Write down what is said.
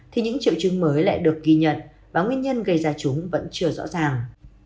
thì những triệu chứng mới lại được ghi nhận và nguyên nhân gây ra chúng vẫn chưa rõ ràng